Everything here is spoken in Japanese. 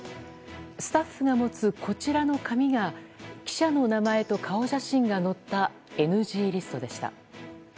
スタッフが持つ、こちらの紙が記者の名前と顔写真が載ったＮＧリストでした。